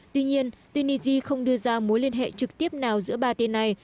tuy nhiên tunisia không đưa ra mối liên hệ trực tiếp nào giữa ba tên này